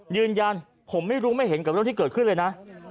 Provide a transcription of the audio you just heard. ยืนยันผมไม่รู้ไม่เห็นกับเรื่องที่เกิดขึ้นเลยนะ